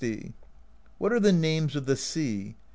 "What are the names of the Sea?